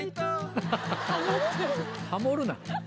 ハモるな。